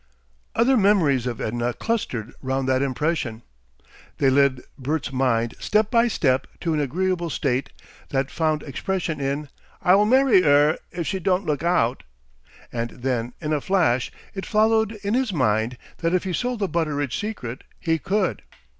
Other memories of Edna clustered round that impression. They led Bert's mind step by step to an agreeable state that found expression in "I'll marry 'ER if she don't look out." And then in a flash it followed in his mind that if he sold the Butteridge secret he could!